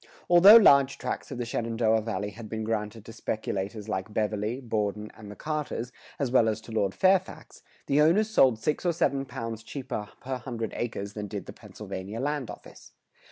Although large tracts of the Shenandoah Valley had been granted to speculators like Beverley, Borden, and the Carters, as well as to Lord Fairfax, the owners sold six or seven pounds cheaper per hundred acres than did the Pennsylvania land office.